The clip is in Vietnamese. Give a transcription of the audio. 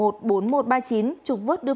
trục vứt đưa phương án